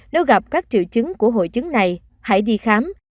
nếu gặp các triệu chứng của hội chứng này hãy đi khám